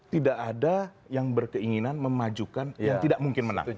tidak ada yang berkeinginan memajukan yang tidak mungkin menang